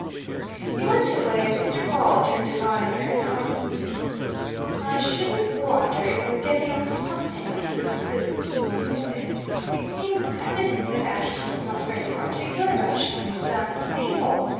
He went away, and Mr. Pawle turned to Viner and Armitstead. "I shouldn't wonder if we're getting at something like a real clue," he said. "It seems evident that Ashton was not very particular about showing his diamond to people!